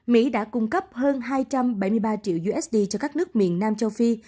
mỹ đã cung cấp hơn hai trăm bảy mươi ba triệu usd cho các nước miền nam châu phi